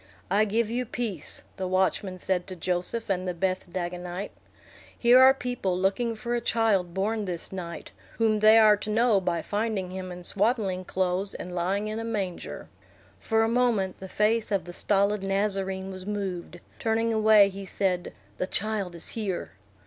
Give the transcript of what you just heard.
"I give you peace," the watchman said to Joseph and the Beth Dagonite. "Here are people looking for a child born this night, whom they are to know by finding him in swaddling clothes and lying in a manger." For a moment the face of the stolid Nazarene was moved; turning away, he said, "The child is here."